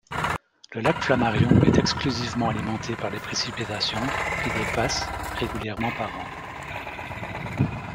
Le lac Flammarion est exclusivement alimenté par les précipitations qui dépassent régulièrement par an.